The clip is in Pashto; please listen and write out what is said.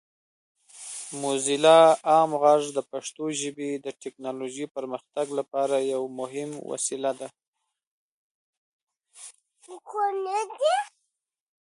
موزیلا عام غږ د پښتو ژبې د ټیکنالوجۍ پرمختګ لپاره یو مهم وسیله ده.